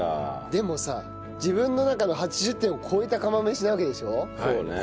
でもさ自分の中の８０点を超えた釜飯なわけでしょ。